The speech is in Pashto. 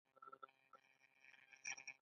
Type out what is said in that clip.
آیا د ایران پلاستیک صنعت وده نه ده کړې؟